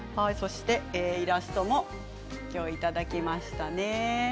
イラストもいただきましたね。